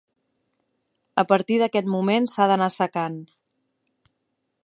A partir d'aquest moment s'ha d'anar assecant.